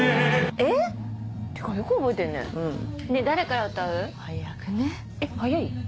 えっ早い？